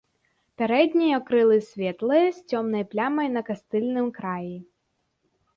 Пярэднія крылы светлыя, з цёмнай плямай на кастыльным краі.